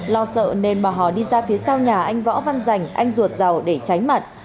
lo sợ nên bà hò đi ra phía sau nhà anh võ văn rành anh ruột giàu để tránh mặt